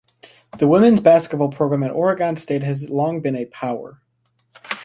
The women's basketball program at Oregon State has long been a power.